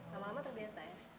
lama lama terbiasa ya